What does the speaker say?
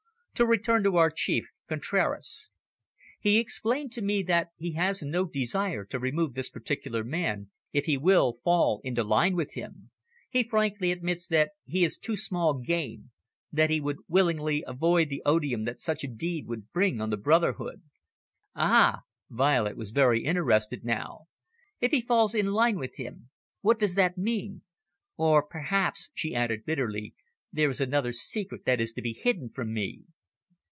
To return to our chief, Contraras. He explained to me that he has no desire to remove this particular man, if he will fall into line with him. He frankly admits that he is too small game, that he would willingly avoid the odium that such a deed would bring on the brotherhood." "Ah!" Violet was very interested now. "If he falls in line with him. What does that mean? Or perhaps," she added bitterly, "this is another secret that is to be hidden from me."